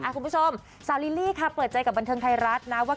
คุณผู้ชมสาวลิลลี่ค่ะเปิดใจกับบันเทิงไทยรัฐนะว่า